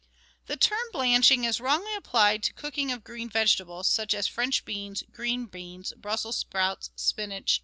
The term "blanching" is wrongly applied to the cooking of green vegetables, such as French beans, green peas, Brussels sprouts, spinach, &c.